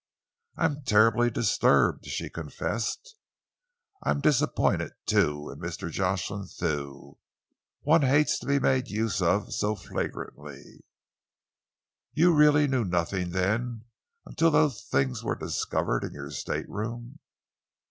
"I am terribly disturbed," she confessed. "I am disappointed, too, in Mr. Jocelyn Thew. One hates to be made use of so flagrantly." "You really knew nothing, then, until those things were discovered in your stateroom?"